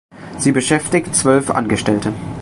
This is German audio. Sie beschäftigt zwölf Angestellte.